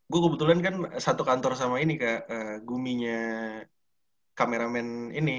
gue kebetulan kan satu kantor sama ini kak gumi nya kameramen ini